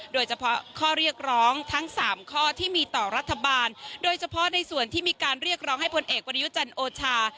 โดยเฉพาะข้อเรียกร้องทั้งสามข้อที่มีต่อรัฐบาลโดยเฉพาะในส่วนที่มีการเรียกร้องให้ผลเอกประยุจันทร์โอชา